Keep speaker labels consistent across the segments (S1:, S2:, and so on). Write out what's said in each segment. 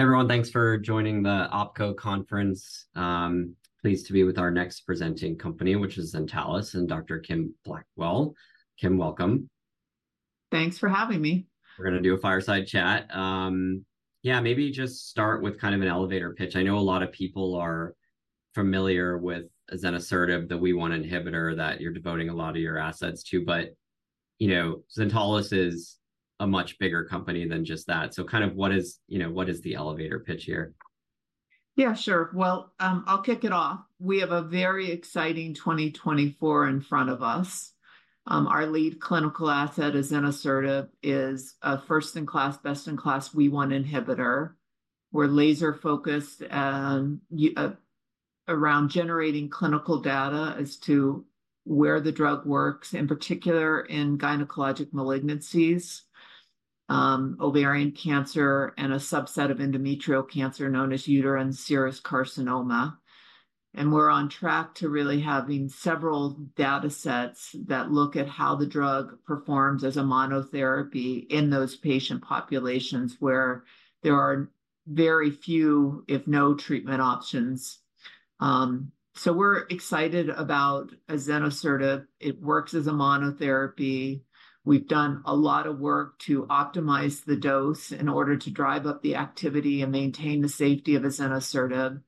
S1: Everyone, thanks for joining the OpCo Conference. Pleased to be with our next presenting company, which is Zentalis, and Dr. Kim Blackwell. Kim, welcome.
S2: Thanks for having me.
S1: We're going to do a fireside chat. Yeah, maybe just start with kind of an elevator pitch. I know a lot of people are familiar with azenosertib, the WEE1 inhibitor, that you're devoting a lot of your assets to, but, you know, Zentalis is a much bigger company than just that. So kind of what is, you know, what is the elevator pitch here?
S2: Yeah, sure. Well, I'll kick it off. We have a very exciting 2024 in front of us. Our lead clinical asset, azenosertib, is a first-in-class, best-in-class WEE1 inhibitor. We're laser-focused around generating clinical data as to where the drug works, in particular in gynecologic malignancies, ovarian cancer, and a subset of endometrial cancer known as uterine serous carcinoma. And we're on track to really having several data sets that look at how the drug performs as a monotherapy in those patient populations where there are very few, if no treatment options. So, we're excited about azenosertib. It works as a monotherapy. We've done a lot of work to optimize the dose in order to drive up the activity and maintain the safety of azenosertib.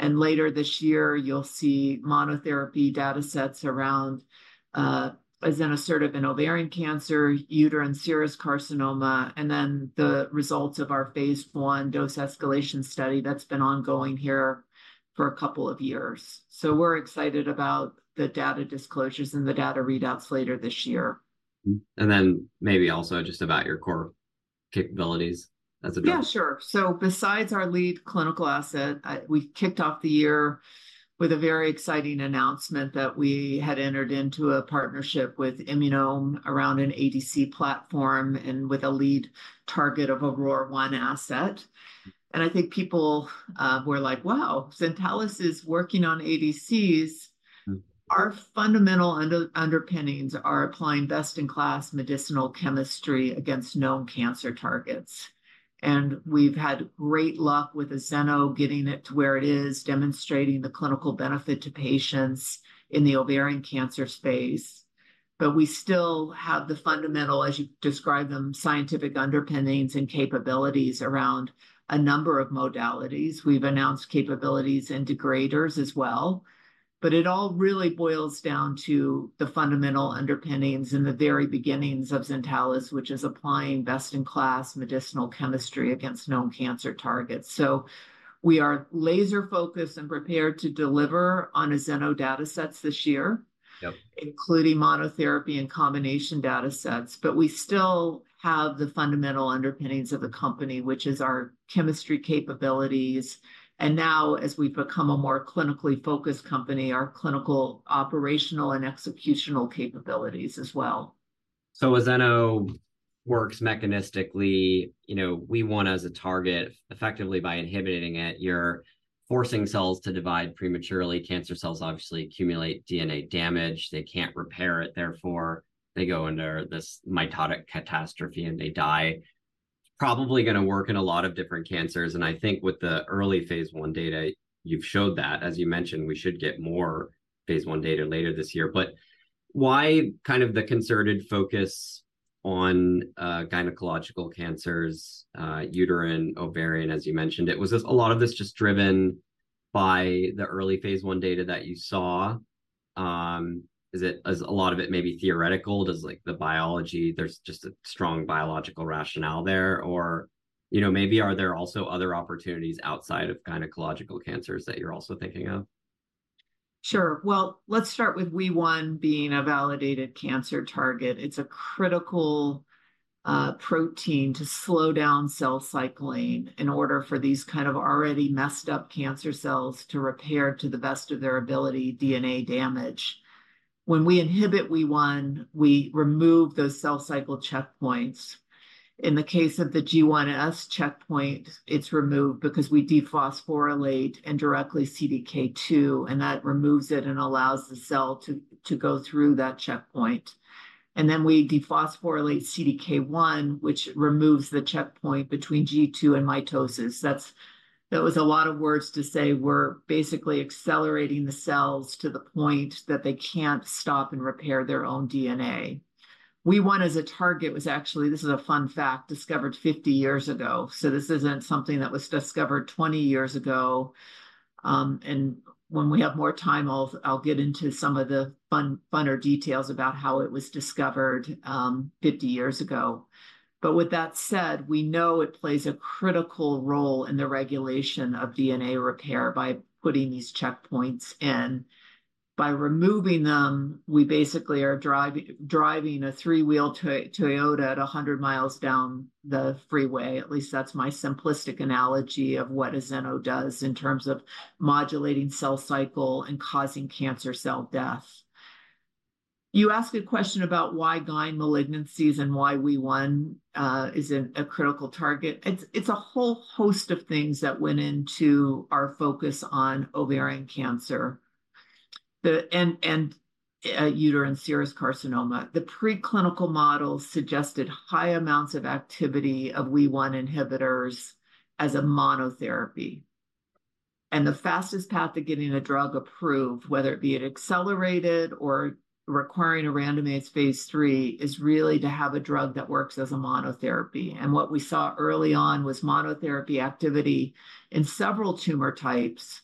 S2: Later this year, you'll see monotherapy data sets around azenosertib in ovarian cancer, uterine serous carcinoma, and then the results of our phase I dose escalation study that's been ongoing here for a couple of years. So, we're excited about the data disclosures and the data readouts later this year.
S1: And then maybe also just about your core capabilities as a drug.
S2: Yeah, sure. So, besides our lead clinical asset, we kicked off the year with a very exciting announcement that we had entered into a partnership with Immunome around an ADC platform and with a lead target of ROR1 asset. And I think people were like, "Wow, Zentalis is working on ADCs." Our fundamental underpinnings are applying best-in-class medicinal chemistry against known cancer targets. And we've had great luck with ZN-c3 getting it to where it is, demonstrating the clinical benefit to patients in the ovarian cancer space. But we still have the fundamental, as you described them, scientific underpinnings and capabilities around a number of modalities. We've announced capabilities and degraders as well. But it all really boils down to the fundamental underpinnings and the very beginnings of Zentalis, which is applying best-in-class medicinal chemistry against known cancer targets. So, we are laser-focused and prepared to deliver on ZN-c3 data sets this year, including monotherapy and combination data sets. But we still have the fundamental underpinnings of the company, which is our chemistry capabilities. And now, as we've become a more clinically focused company, our clinical, operational, and executional capabilities as well.
S1: So, as ZN-c3 works mechanistically, you know, WEE1 as a target, effectively by inhibiting it, you're forcing cells to divide prematurely. Cancer cells, obviously, accumulate DNA damage. They can't repair it. Therefore, they go under this mitotic catastrophe and they die. It's probably going to work in a lot of different cancers. And I think with the early phase I data, you've showed that. As you mentioned, we should get more phase I data later this year. But why kind of the concerted focus on gynecological cancers, uterine, ovarian, as you mentioned? It was this a lot of this just driven by the early phase I data that you saw. Is it as a lot of it maybe theoretical? Does, like, the biology there's just a strong biological rationale there, or, you know, maybe are there also other opportunities outside of gynecological cancers that you're also thinking of?
S2: Sure. Well, let's start with WEE1 being a validated cancer target. It's a critical protein to slow down cell cycling in order for these kinds of already messed-up cancer cells to repair to the best of their ability, DNA damage. When we inhibit WEE1, we remove those cell cycle checkpoints. In the case of the G1/S checkpoint, it's removed because we dephosphorylate indirectly CDK2, and that removes it and allows the cell to go through that checkpoint. And then we dephosphorylate CDK1, which removes the checkpoint between G2 and mitosis. That's that was a lot of words to say. We're basically accelerating the cells to the point that they can't stop and repair their own DNA. WEE1 as a target was actually this is a fun fact discovered 50 years ago. So, this isn't something that was discovered 20 years ago. When we have more time, I'll get into some of the funnier details about how it was discovered 50 years ago. But with that said, we know it plays a critical role in the regulation of DNA repair by putting these checkpoints in. By removing them, we basically are driving a three-wheeled Toyota at 100 miles down the freeway. At least that's my simplistic analogy of what ZN-c3 does in terms of modulating cell cycle and causing cancer cell death. You asked a question about why gyn malignancies and why Wee1 is a critical target. It's a whole host of things that went into our focus on ovarian cancer and uterine serous carcinoma. The preclinical model suggested high amounts of activity of Wee1 inhibitors as a monotherapy. The fastest path to getting a drug approved, whether it be accelerated or requiring a randomized phase III, is really to have a drug that works as a monotherapy. What we saw early on was monotherapy activity in several tumor types,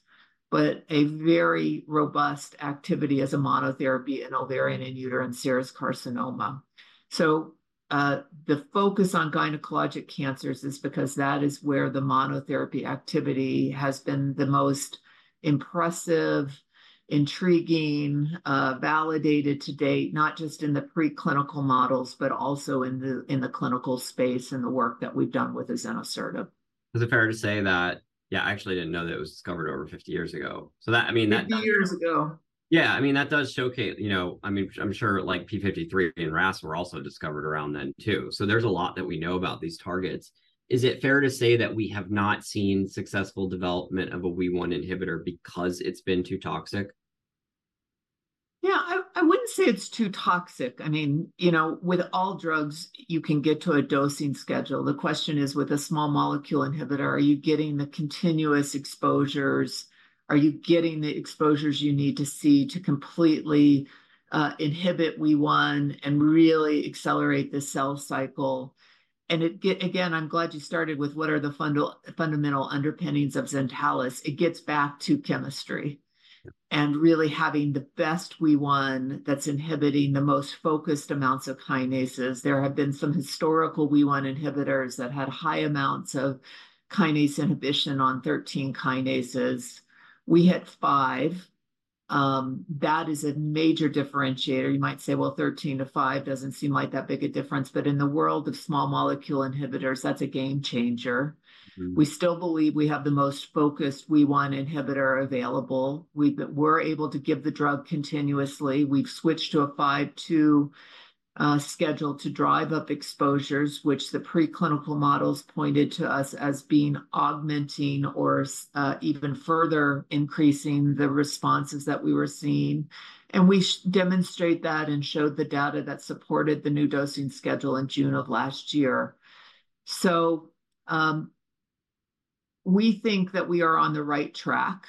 S2: but a very robust activity as a monotherapy in ovarian and uterine serous carcinoma. The focus on gynecologic cancers is because that is where the monotherapy activity has been the most impressive, intriguing, validated to date, not just in the preclinical models, but also in the clinical space and the work that we've done with azenosertib.
S1: Is it fair to say that, yeah, I actually didn't know that it was discovered over 50 years ago. So that, I mean, that.
S2: 50 years ago.
S1: Yeah. I mean, that does showcase, you know, I mean, I'm sure, like, p53 and RAS were also discovered around then too. So, there's a lot that we know about these targets. Is it fair to say that we have not seen successful development of a WEE1 inhibitor because it's been too toxic?
S2: Yeah, I wouldn't say it's too toxic. I mean, you know, with all drugs, you can get to a dosing schedule. The question is, with a small molecule inhibitor, are you getting the continuous exposures? Are you getting the exposures you need to see to completely inhibit WEE1 and really accelerate the cell cycle? And it gets again, I'm glad you started with what are the fundamental underpinnings of Zentalis. It gets back to chemistry and really having the best WEE1 that's inhibiting the most focused amounts of kinases. There have been some historical WEE1 inhibitors that had high amounts of kinase inhibition on 13 kinases. We hit five. That is a major differentiator. You might say, well, 13 to five doesn't seem like that big a difference, but in the world of small molecule inhibitors, that's a game changer. We still believe we have the most focused WEE1 inhibitor available. We've been able to give the drug continuously. We've switched to a 5:2 schedule to drive up exposures, which the preclinical models pointed to us as being augmenting or even further increasing the responses that we were seeing. We demonstrated that and showed the data that supported the new dosing schedule in June of last year. So, we think that we are on the right track.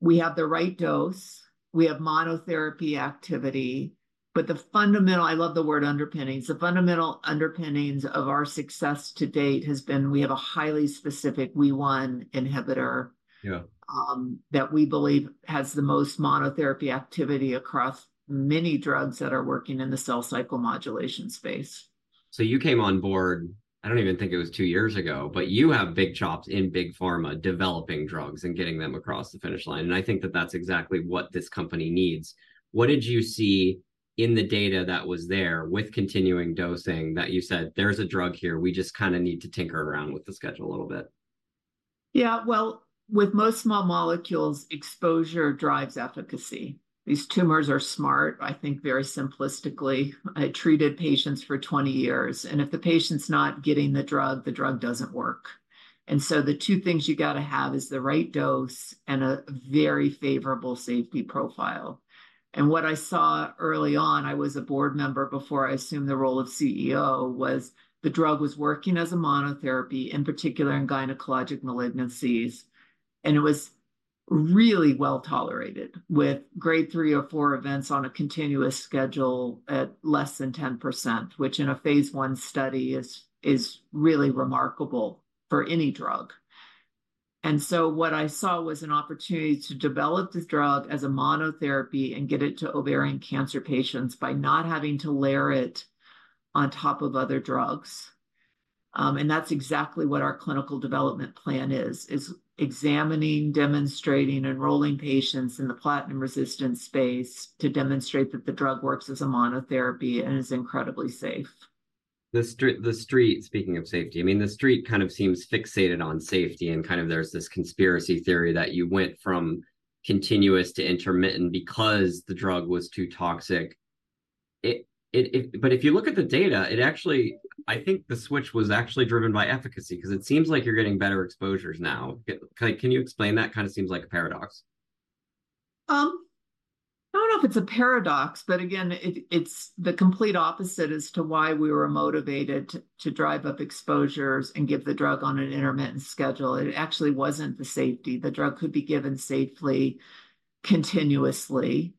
S2: We have the right dose. We have monotherapy activity. But the fundamental, I love the word, underpinnings. The fundamental underpinnings of our success to date has been we have a highly specific WEE1 inhibitor.
S1: Yeah.
S2: That we believe has the most monotherapy activity across many drugs that are working in the cell cycle modulation space.
S1: You came on board. I don't even think it was two years ago, but you have big chops in big pharma developing drugs and getting them across the finish line. I think that that's exactly what this company needs. What did you see in the data that was there with continuing dosing that you said, "There's a drug here. We just kind of need to tinker around with the schedule a little bit"?
S2: Yeah. Well, with most small molecules, exposure drives efficacy. These tumors are smart, I think, very simplistically. I treated patients for 20 years. And if the patient's not getting the drug, the drug doesn't work. And so the two things you got to have is the right dose and a very favorable safety profile. And what I saw early on, I was a board member before I assumed the role of CEO, was the drug was working as a monotherapy, in particular in gynecologic malignancies. And it was really well tolerated with grade three or four events on a continuous schedule at less than 10%, which in a phase I study is really remarkable for any drug. So what I saw was an opportunity to develop this drug as a monotherapy and get it to ovarian cancer patients by not having to layer it on top of other drugs. And that's exactly what our clinical development plan is, is examining, demonstrating, enrolling patients in the platinum resistance space to demonstrate that the drug works as a monotherapy and is incredibly safe.
S1: The street, speaking of safety, I mean, the street kind of seems fixated on safety, and kind of there's this conspiracy theory that you went from continuous to intermittent because the drug was too toxic. But if you look at the data, it actually I think the switch was actually driven by efficacy because it seems like you're getting better exposures now. Like, can you explain that? Kind of seems like a paradox.
S2: I don't know if it's a paradox, but again, it's the complete opposite as to why we were motivated to drive up exposures and give the drug on an intermittent schedule. It actually wasn't the safety. The drug could be given safely, continuously,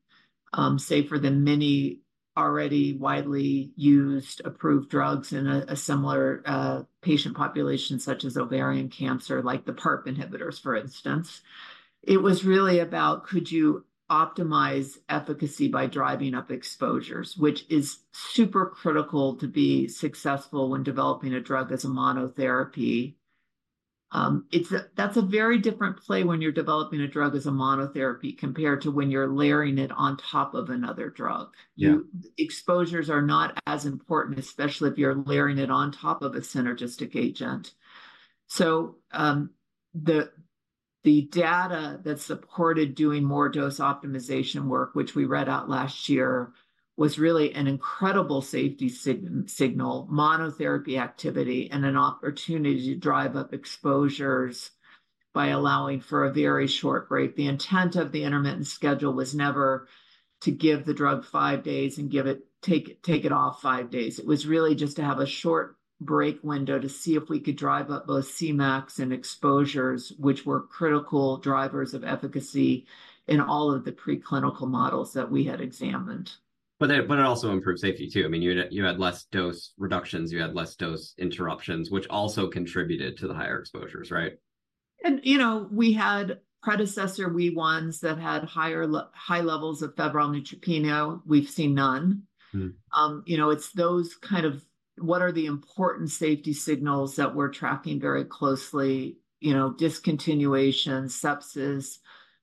S2: safer than many already widely used, approved drugs in a similar patient population such as ovarian cancer, like the PARP inhibitors, for instance. It was really about could you optimize efficacy by driving up exposures, which is super critical to be successful when developing a drug as a monotherapy. It's, that's a very different play when you're developing a drug as a monotherapy compared to when you're layering it on top of another drug.
S1: Yeah.
S2: Your exposures are not as important, especially if you're layering it on top of a synergistic agent. So, the data that supported doing more dose optimization work, which we read out last year, was really an incredible safety signal, monotherapy activity, and an opportunity to drive up exposures by allowing for a very short break. The intent of the intermittent schedule was never to give the drug five days and give it, take it off five days. It was really just to have a short break window to see if we could drive up both Cmax and exposures, which were critical drivers of efficacy in all of the preclinical models that we had examined.
S1: But it also improved safety too. I mean, you had less dose reductions. You had less dose interruptions, which also contributed to the higher exposures, right?
S2: And, you know, we had predecessor WEE1s that had higher low-high levels of febrile neutropenia. We've seen none. You know, it's those kind of what are the important safety signals that we're tracking very closely, you know, discontinuation, sepsis,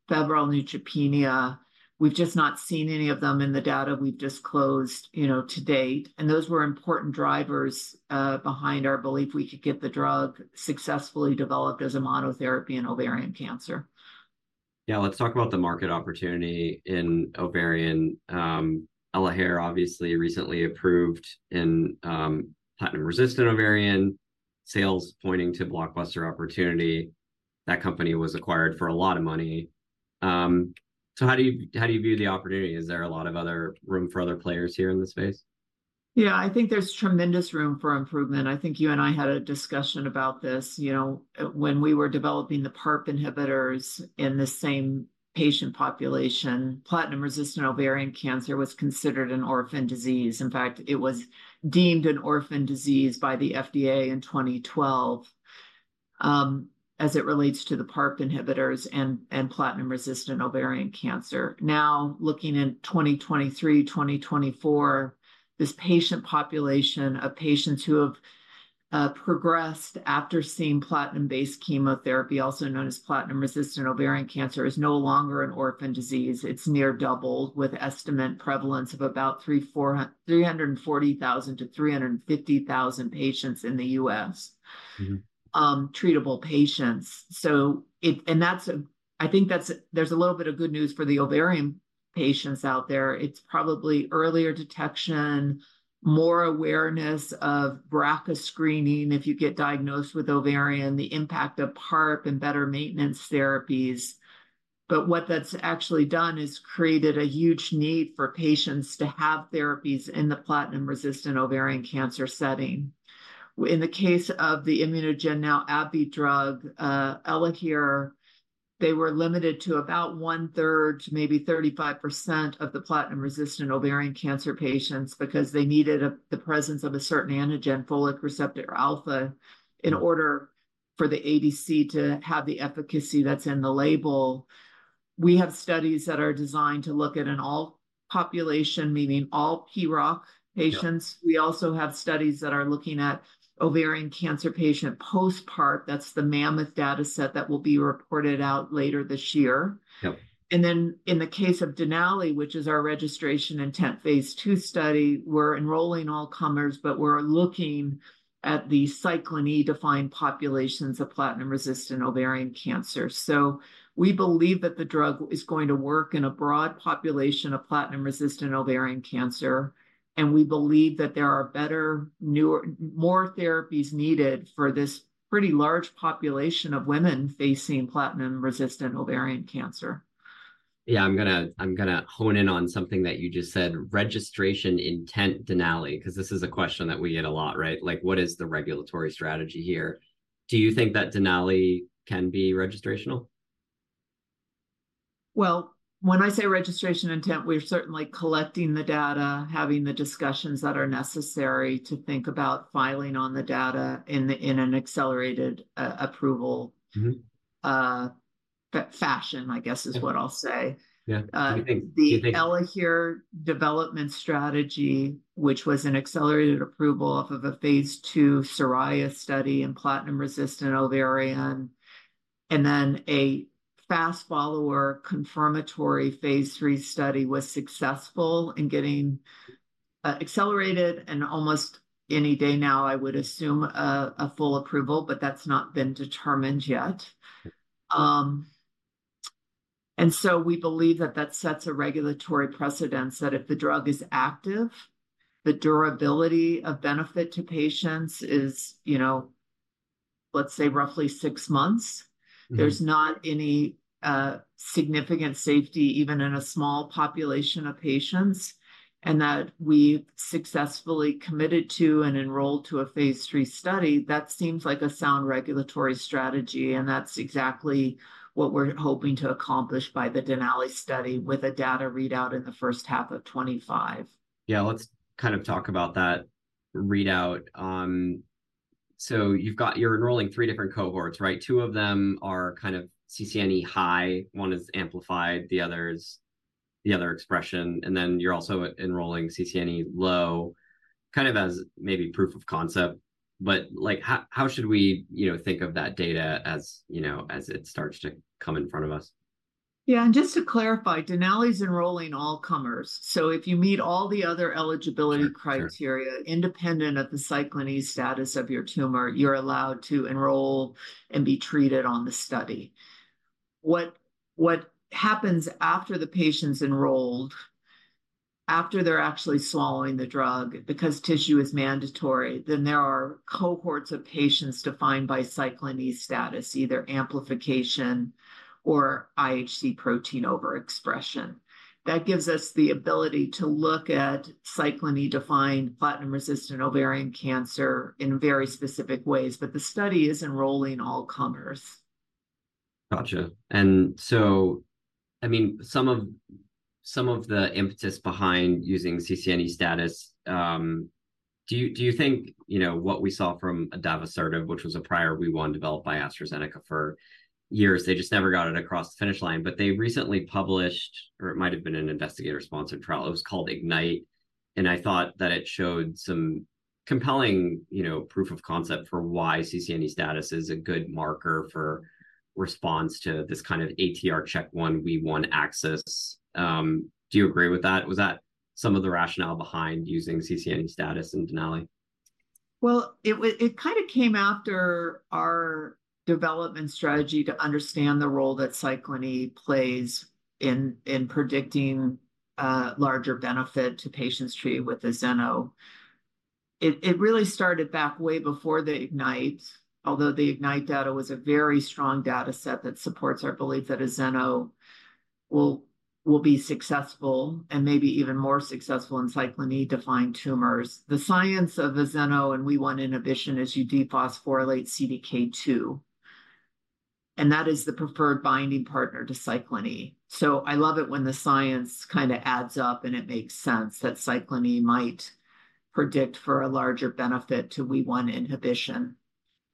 S2: febrile neutropenia. We've just not seen any of them in the data we've disclosed, you know, to date. And those were important drivers behind our belief we could get the drug successfully developed as a monotherapy in ovarian cancer.
S1: Yeah. Let's talk about the market opportunity in ovarian. ELAHERE, obviously, recently approved in platinum-resistant ovarian, sales pointing to blockbuster opportunity. That company was acquired for a lot of money. So how do you view the opportunity? Is there a lot of other room for other players here in the space?
S2: Yeah. I think there's tremendous room for improvement. I think you and I had a discussion about this. You know, when we were developing the PARP inhibitors in the same patient population, platinum-resistant ovarian cancer was considered an orphan disease. In fact, it was deemed an orphan disease by the FDA in 2012, as it relates to the PARP inhibitors and platinum-resistant ovarian cancer. Now, looking in 2023, 2024, this patient population of patients who have progressed after receiving platinum-based chemotherapy, also known as platinum-resistant ovarian cancer, is no longer an orphan disease. It's nearly doubled with estimated prevalence of about 340,000 to 350,000 patients in the US, treatable patients. So, it's, and that's, I think that's, there's a little bit of good news for the ovarian patients out there. It's probably earlier detection, more awareness of BRCA screening if you get diagnosed with ovarian, the impact of PARP and better maintenance therapies. But what that's actually done is created a huge need for patients to have therapies in the platinum-resistant ovarian cancer setting. In the case of the ImmunoGen now AbbVie drug, ELAHERE, they were limited to about 1/3, maybe 35% of the platinum-resistant ovarian cancer patients because they needed the presence of a certain antigen, folate receptor alpha, in order for the ADC to have the efficacy that's in the label. We have studies that are designed to look at an all population, meaning all PROC patients. We also have studies that are looking at ovarian cancer patients post PARP. That's the MAMMOTH data set that will be reported out later this year.
S1: Yep.
S2: In the case of DENALI, which is our registration intent phase II study, we're enrolling all-comers, but we're looking at the Cyclin E-defined populations of platinum-resistant ovarian cancer. We believe that the drug is going to work in a broad population of platinum-resistant ovarian cancer. We believe that there are better, newer, more therapies needed for this pretty large population of women facing platinum-resistant ovarian cancer.
S1: Yeah. I'm going to hone in on something that you just said, registration intent DENALI, because this is a question that we get a lot, right? Like, what is the regulatory strategy here? Do you think that DENALI can be registrational?
S2: Well, when I say registration intent, we're certainly collecting the data, having the discussions that are necessary to think about filing on the data in an accelerated approval fashion, I guess, is what I'll say.
S1: Yeah. Do you think?
S2: The ELAHERE development strategy, which was an accelerated approval off of a phase II pivotal study in platinum-resistant ovarian, and then a fast-follower confirmatory phase III study was successful in getting accelerated and almost any day now, I would assume, a full approval, but that's not been determined yet. And so we believe that that sets a regulatory precedent that if the drug is active, the durability of benefit to patients is, you know, let's say roughly six months. There's not any significant safety, even in a small population of patients, and that we've successfully committed to and enrolled to a phase III study. That seems like a sound regulatory strategy, and that's exactly what we're hoping to accomplish by the DENALI study with a data readout in the H1 of 2025.
S1: Yeah. Let's kind of talk about that readout. So, you've got you're enrolling three different cohorts, right? Two of them are kind of CCNE high. One is amplified. The other is the other expression. And then you're also enrolling CCNE low, kind of as maybe proof of concept. But, like, how should we, you know, think of that data as, you know, as it starts to come in front of us?
S2: Yeah. And just to clarify, DENALI's enrolling all-comers. So, if you meet all the other eligibility criteria, independent of the Cyclin E status of your tumor, you're allowed to enroll and be treated on the study. What happens after the patient's enrolled, after they're actually swallowing the drug because tissue is mandatory, then there are cohorts of patients defined by Cyclin E status, either amplification or IHC protein overexpression. That gives us the ability to look at Cyclin E-defined platinum-resistant ovarian cancer in very specific ways. But the study is enrolling all-comers.
S1: Gotcha. And so, I mean, some of the impetus behind using CCNE status, do you think, you know, what we saw from adavosertib, which was a prior WEE1 developed by AstraZeneca for years, they just never got it across the finish line, but they recently published, or it might have been an investigator-sponsored trial. It was called IGNITE. And I thought that it showed some compelling, you know, proof of concept for why CCNE status is a good marker for response to this kind of ATR-CHK1-WEE1 axis. Do you agree with that? Was that some of the rationale behind using CCNE status in DENALI?
S2: Well, it kind of came after our development strategy to understand the role that Cyclin E plays in predicting larger benefit to patients treated with the azeno. It really started back way before the IGNITE, although the IGNITE data was a very strong data set that supports our belief that ZN-c3 will be successful and maybe even more successful in Cyclin E-defined tumors. The science of ZN-c3 and WEE1 inhibition is you dephosphorylate CDK2, and that is the preferred binding partner to Cyclin E. So, I love it when the science kind of adds up and it makes sense that Cyclin E might predict for a larger benefit to WEE1 inhibition.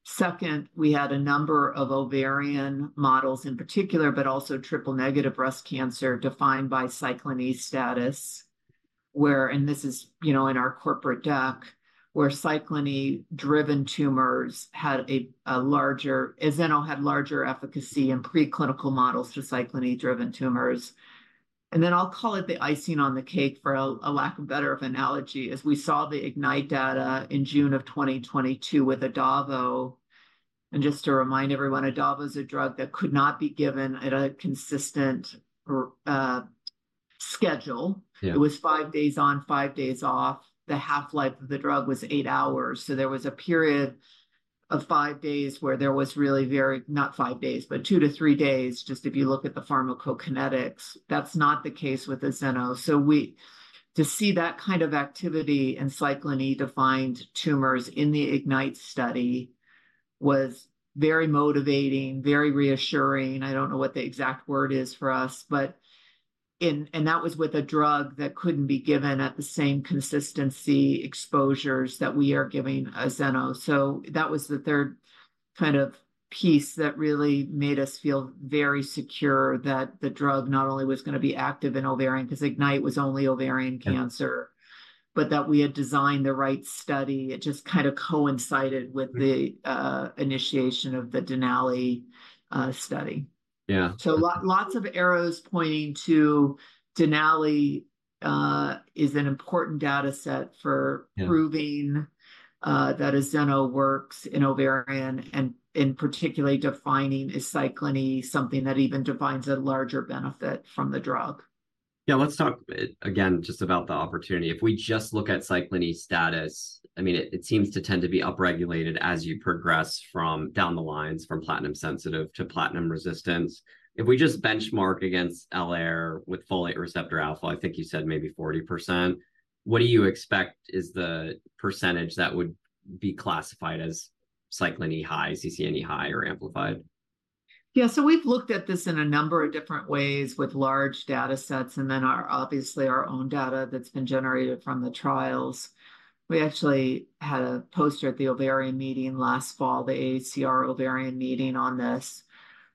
S2: Second, we had a number of ovarian models in particular but also triple-negative breast cancer defined by Cyclin E status, where, and this is, you know, in our corporate deck, where Cyclin E-driven tumors had largerZN-c3 had larger efficacy in preclinical models for Cyclin E-driven tumors. And then I'll call it the icing on the cake for a lack of better analogy, as we saw the IGNITE data in June of 2022 with adavo. And just to remind everyone, adavo is a drug that could not be given at a consistent schedule. It was five days on, five days off. The half-life of the drug was eight hours. So, there was a period of five days where there was really very not five days, but two to three days, just if you look at the pharmacokinetics. That's not the case with azeno. So, we got to see that kind of activity in Cyclin E-defined tumors in the IGNITE study was very motivating, very reassuring. I don't know what the exact word is for us, but and that was with a drug that couldn't be given at the same consistent exposures that we are giving ZN-c3. So that was the third kind of piece that really made us feel very secure that the drug not only was going to be active in ovarian because IGNITE was only ovarian cancer, but that we had designed the right study. It just kind of coincided with the initiation of the DENALI study.
S1: Yeah.
S2: So lots of arrows pointing to DENALI is an important data set for proving that ZN-c3 works in ovarian and in particular defining a Cyclin E something that even defines a larger benefit from the drug.
S1: Yeah. Let's talk again just about the opportunity. If we just look at Cyclin E status, I mean, it seems to tend to be upregulated as you progress from down the lines from platinum sensitive to platinum resistance. If we just benchmark against ELAHERE with folate receptor alpha, I think you said maybe 40%. What do you expect is the percentage that would be classified as Cyclin E high, CCNE high, or amplified?
S2: Yeah. So, we've looked at this in a number of different ways with large data sets and then our obviously our own data that's been generated from the trials. We actually had a poster at the ovarian meeting last fall, the AACR ovarian meeting on this.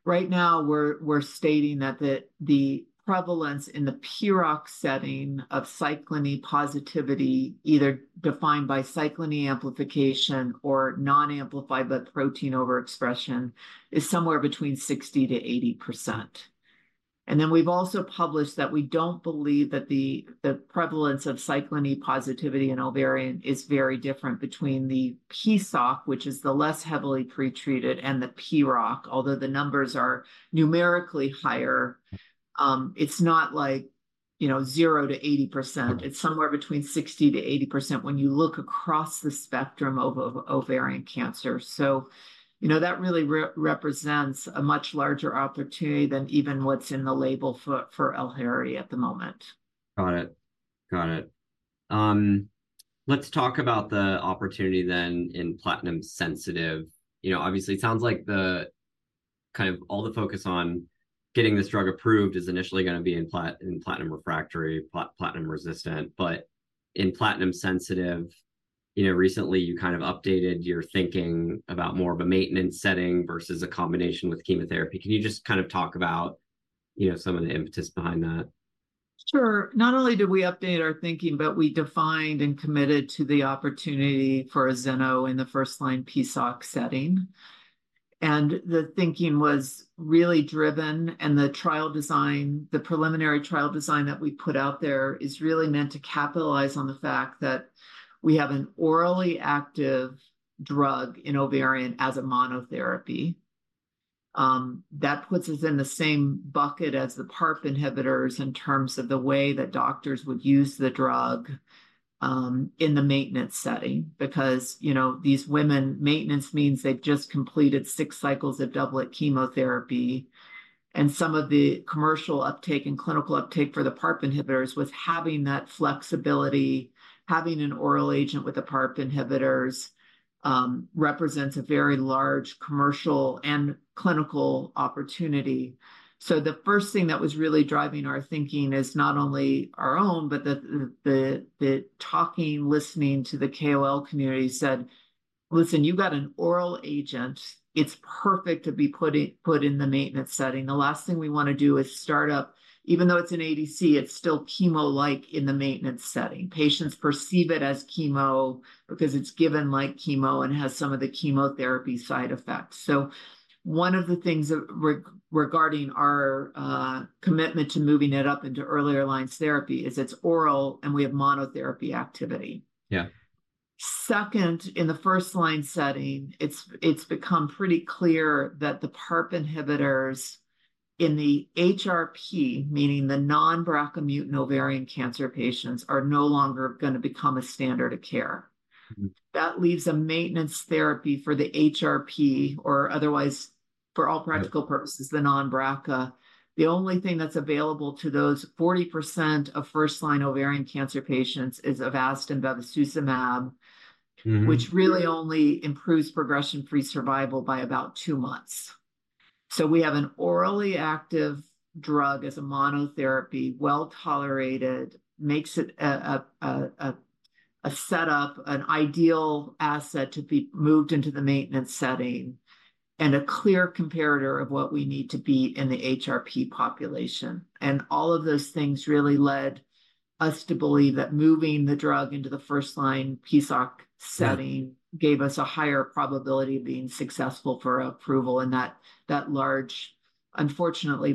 S2: Right now, we're stating that the prevalence in the PROC setting of Cyclin E positivity, either defined by Cyclin E amplification or non-amplified but protein overexpression, is somewhere between 60% to 80%. And then we've also published that we don't believe that the prevalence of Cyclin E positivity in ovarian is very different between the PSOC, which is the less heavily pretreated, and the PROC, although the numbers are numerically higher. It's not like, you know, 0% to 80%. It's somewhere between 60% to 80% when you look across the spectrum of ovarian cancer. You know, that really represents a much larger opportunity than even what's in the label for ELAHERE at the moment.
S1: Got it. Got it. Let's talk about the opportunity then in platinum sensitive. You know, obviously, it sounds like the kind of all the focus on getting this drug approved is initially going to be in platinum refractory, platinum resistant. But in platinum sensitive, you know, recently, you kind of updated your thinking about more of a maintenance setting versus a combination with chemotherapy. Can you just kind of talk about, you know, some of the impetus behind that?
S2: Sure. Not only did we update our thinking, but we defined and committed to the opportunity for azeno in the first-line PSOC setting. The thinking was really driven, and the trial design, the preliminary trial design that we put out there is really meant to capitalize on the fact that we have an orally active drug in ovarian as a monotherapy. That puts us in the same bucket as the PARP inhibitors in terms of the way that doctors would use the drug, in the maintenance setting because, you know, these women, maintenance means they've just completed six cycles of doublet chemotherapy. Some of the commercial uptake and clinical uptake for the PARP inhibitors with having that flexibility, having an oral agent with the PARP inhibitors, represents a very large commercial and clinical opportunity. So the first thing that was really driving our thinking is not only our own, but the talking, listening to the KOL community said, "Listen, you got an oral agent. It's perfect to be put in the maintenance setting. The last thing we want to do is start up, even though it's an ADC, it's still chemo-like in the maintenance setting. Patients perceive it as chemo because it's given like chemo and has some of the chemotherapy side effects." So, one of the things regarding our commitment to moving it up into earlier lines therapy is it's oral, and we have monotherapy activity.
S1: Yeah.
S2: Second, in the first-line setting, it's become pretty clear that the PARP inhibitors in the HRP, meaning the non-BRCA mutant ovarian cancer patients, are no longer going to become a standard of care. That leaves a maintenance therapy for the HRP or otherwise, for all practical purposes, the non-BRCA. The only thing that's available to those 40% of first-line ovarian cancer patients is Avastin bevacizumab, which really only improves progression-free survival by about two months. So we have an orally active drug as a monotherapy, well-tolerated, makes it a setup, an ideal asset to be moved into the maintenance setting, and a clear comparator of what we need to beat in the HRP population. All of those things really led us to believe that moving the drug into the first-line PSOC setting gave us a higher probability of being successful for approval in that large, unfortunately,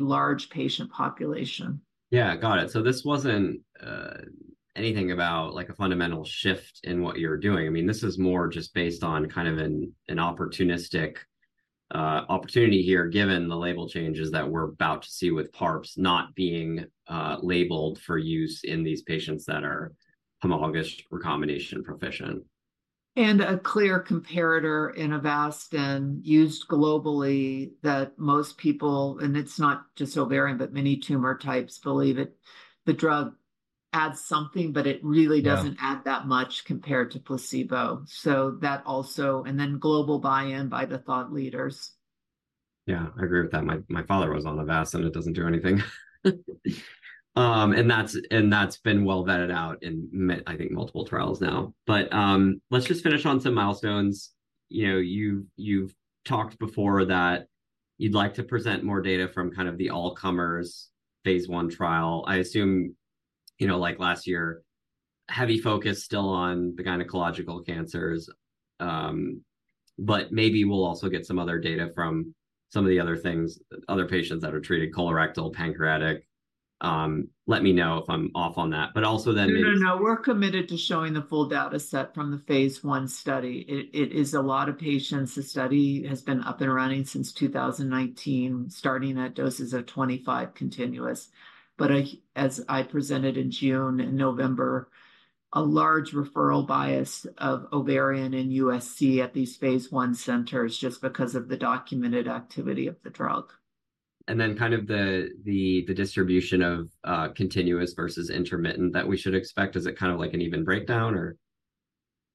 S2: patient population.
S1: Yeah. Got it. So this wasn't anything about, like, a fundamental shift in what you're doing. I mean, this is more just based on kind of an opportunistic opportunity here given the label changes that we're about to see with PARPs not being labeled for use in these patients that are homologous recombination proficient.
S2: A clear comparator in Avastin used globally that most people, and it's not just ovarian, but many tumor types, believe it. The drug adds something, but it really doesn't add that much compared to placebo. So that also, and then global buy-in by the thought leaders.
S1: Yeah. I agree with that. My father was on Avastin, and it doesn't do anything. And that's been well vetted out in, I think, multiple trials now. But let's just finish on some milestones. You know, you've talked before that you'd like to present more data from kind of the all-comers phase one trial. I assume, you know, like last year, heavy focus still on the gynecological cancers. But maybe we'll also get some other data from some of the other things, other patients that are treated, colorectal, pancreatic. Let me know if I'm off on that. But also then maybe.
S2: No, no, no. We're committed to showing the full data set from the phase one study. It is a lot of patients. The study has been up and running since 2019, starting at doses of 25 continuous. But as I presented in June and November, a large referral bias of ovarian and USC at these phase I centers just because of the documented activity of the drug.
S1: Then kind of the distribution of continuous versus intermittent that we should expect, is it kind of like an even breakdown, or?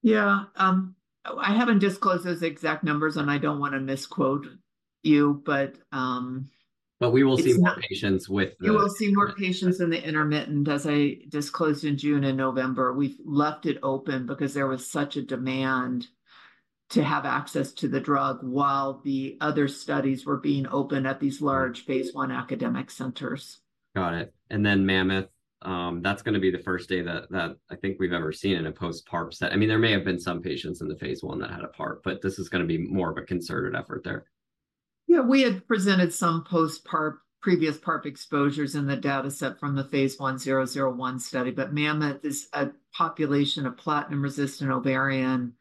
S2: Yeah. I haven't disclosed those exact numbers, and I don't want to misquote you, but,
S1: But we will see more patients with the.
S2: We will see more patients in the intermittent, as I disclosed in June and November. We've left it open because there was such a demand to have access to the drug while the other studies were being open at these large phase I academic centers.
S1: Got it. And then MAMMOTH, that's going to be the first data that that I think we've ever seen in a post-PARP setting. I mean, there may have been some patients in the phase I that had a PARP, but this is going to be more of a concerted effort there.
S2: Yeah. We had presented some post-PARP, previous PARP exposures in the data set from the phase I-00I study, but MAMMOTH is a population of platinum-resistant ovarian.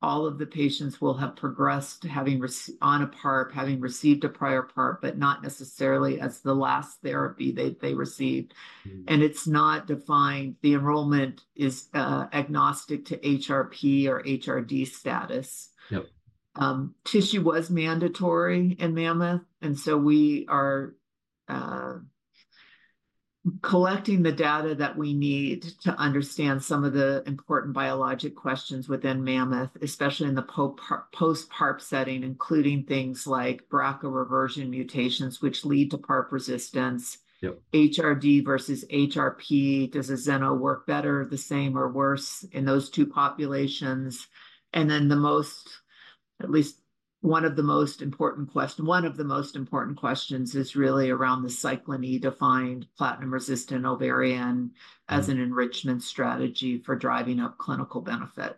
S2: All of the patients will have progressed to having on a PARP, having received a prior PARP, but not necessarily as the last therapy they received. And it's not defined. The enrollment is agnostic to HRP or HRD status.
S1: Yep.
S2: Tissue was mandatory in MAMMOTH, and so we are collecting the data that we need to understand some of the important biologic questions within MAMMOTH, especially in the post-PARP setting, including things like BRCA reversion mutations, which lead to PARP resistance.
S1: Yep.
S2: HRD versus HRP, does ZN-c3 work better, the same, or worse in those two populations? And then the most, at least one of the most important questions, one of the most important questions is really around the Cyclin E-defined platinum-resistant ovarian as an enrichment strategy for driving up clinical benefit.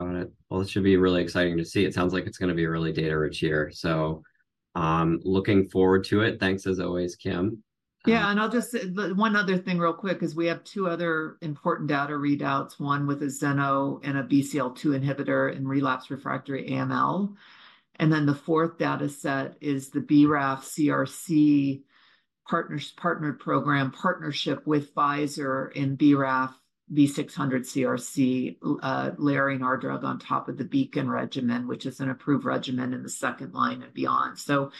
S1: Got it. Well, this should be really exciting to see. It sounds like it's going to be really data-rich here. So, looking forward to it. Thanks, as always, Kim.
S2: Yeah. And I'll just one other thing real quick is we have two other important data readouts, one with ZN-c3 and a BCL-2 inhibitor in relapsed/refractory AML. Then the fourth data set is the BRAF CRC partners partnered program partnership with Pfizer in BRAF V600 CRC, layering our drug on top of the BEACON regimen, which is an approved regimen in the second line and beyond. So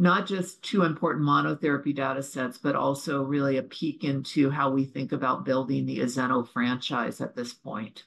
S2: not just two important monotherapy data sets, but also really a peek into how we think about building the ZN-c3 franchise at this point.